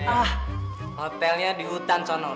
ah hotelnya di hutan sono